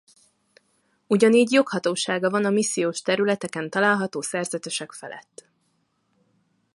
Ugyanígy joghatósága van a missziós területeken található szerzetesek felett.